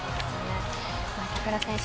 板倉選手